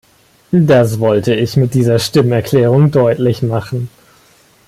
Das wollte ich mit dieser Stimmerklärung deutlich machen.